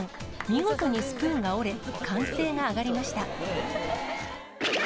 見事にスプーンが折れ歓声が上がりました。